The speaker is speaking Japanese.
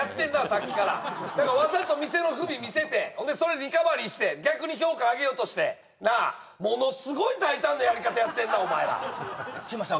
さっきから何かわざと店の不備見せてほんでそれリカバリーして逆に評価上げようとしてなあものすごい大胆なやり方やってんなお前らすいません